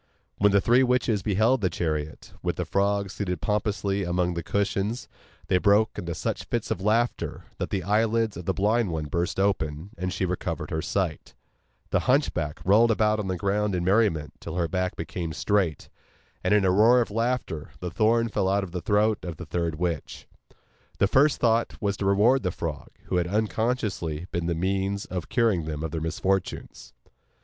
When the three witches beheld the chariot, with the frog seated pompously among the cushions, they broke into such fits of laughter that the eyelids of the blind one burst open, and she recovered her sight; the hunchback rolled about on the ground in merriment till her back became straight, and in a roar of laughter the thorn fell out of the throat of the third witch. Their first thought was to reward the frog, who had unconsciously been the means of curing them of their misfortunes.